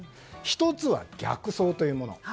１つは、逆送というもの。